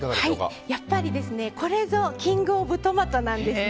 やっぱり、これぞキング・オブ・トマトなんですね。